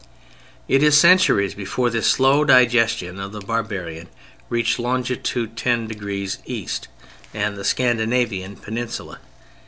It is centuries before this slow digestion of the barbarian reached longitude ten degrees east, and the Scandinavian peninsula.